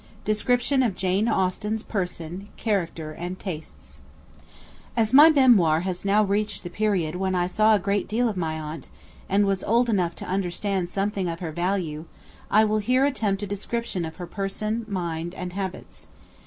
Description of Jane Austen's person, character, and tastes. As my memoir has now reached the period when I saw a great deal of my aunt, and was old enough to understand something of her value, I will here attempt a description of her person, mind, and habits.